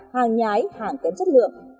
hàng nhái hàng kém chất lượng